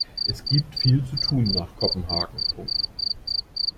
Es gibt viel zu tun nach Kopenhagen.